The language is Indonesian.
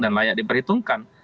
dan layak diperhitungkan